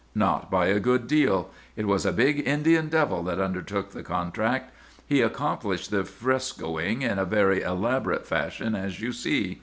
Not by a good deal! It was a big Indian devil that undertook the contract. He accomplished the frescoing in a very elaborate fashion, as you see.